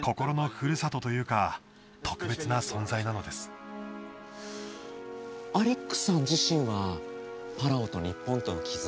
カヌーのアリックさん自身はパラオと日本との絆